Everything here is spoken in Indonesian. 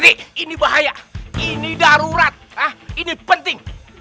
nih ini bahaya ini darurat ah ini penting